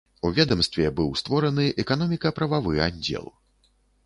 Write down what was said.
У ведамстве быў створаны эканоміка-прававы аддзел.